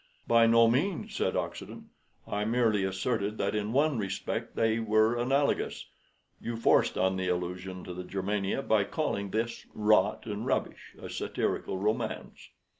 "By no means," said Oxenden; "I merely asserted that in one respect they were analogous. You forced on the allusion to the Germania by calling this 'rot and rubbish' a satirical romance."